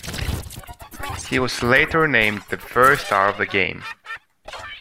He was later named the first star of the game.